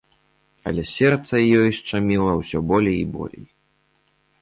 Але сэрца ёй шчаміла ўсё болей і болей.